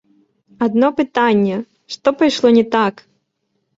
Адно пытанне, што пайшло не так???